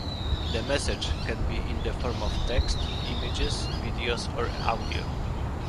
The message can be in the form of text, images, videos, or audio.